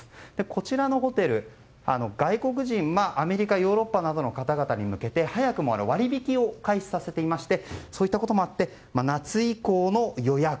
こちらのホテル、外国人アメリカ、ヨーロッパなどの方々に向けて早くも割引を開始させていましてそういったこともあって夏以降の予約